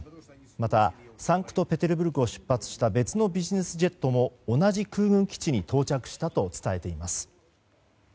また、サンクトペテルブルクを出発した別のビジネスジェットも同じ空軍基地に到着したと伝えています。